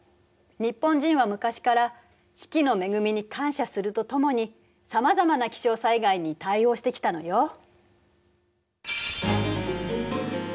日本人は昔から四季の恵みに感謝するとともにさまざまな気象災害に対応してきたのよ。